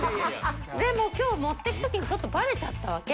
でもきょう、持っていくときに、ちょっとばれちゃったわけ。